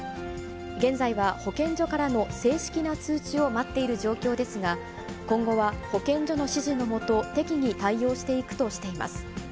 現在は保健所からの正式な通知を待っている状況ですが、今後は保健所の指示のもと、適宜対応していくとしています。